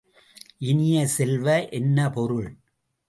இனிய செல்வ, என்ன பொருள்?